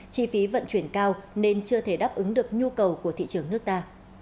chi phí vận chuyển cao nên chưa thể đáp ứng được nhu cầu của thị trường nước ta